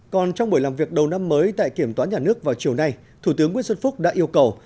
còn trong buổi làm việc đầu năm mới tại kiểm toán nhà nước vào chiều nay thủ tướng nguyễn xuân phúc đã yêu cầu